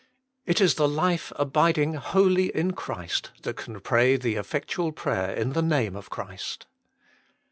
It is the life abiding wholly in Christ that can pray the effectual prayer in the name of Christ.